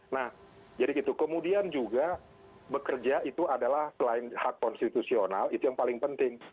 nah jadi gitu kemudian juga bekerja itu adalah selain hak konstitusional itu yang paling penting